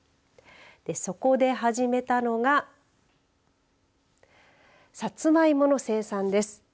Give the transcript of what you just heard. そこで始めたのがさつまいもの生産です。